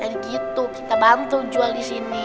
dari gitu kita bantu jual di sini